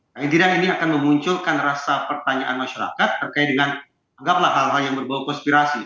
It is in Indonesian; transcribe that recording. paling tidak ini akan memunculkan rasa pertanyaan masyarakat terkait dengan anggaplah hal hal yang berbau konspirasi